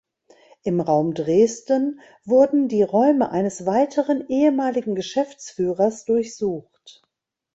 Im Raum Dresden wurden die Räume eines weiteren ehemaligen Geschäftsführers durchsucht.